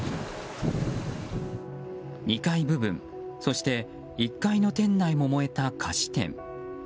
２階部分、そして１階の店内も燃えた菓子店。